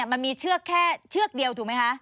มันมีเชือกแค่เชือกเดียวถูกไหมคะ